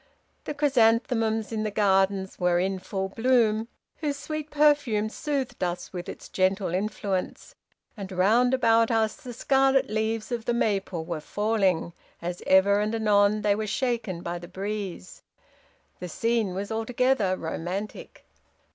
The chrysanthemums in the gardens were in full bloom, whose sweet perfume soothed us with its gentle influence; and round about us the scarlet leaves of the maple were falling, as ever and anon they were shaken by the breeze. The scene was altogether romantic.